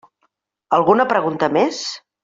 Alguna pregunta més?